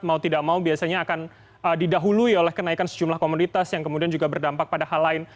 mau tidak mau biasanya akan didahului oleh kenaikan sejumlah komoditas yang kemudian juga berdampak pada hal lain